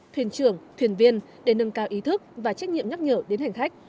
thuyền trưởng thuyền viên để nâng cao ý thức và trách nhiệm nhắc nhở đến hành khách